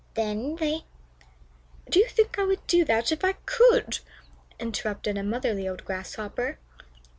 Then they " "Do you think I would do that if I could?" interrupted a motherly old Grasshopper.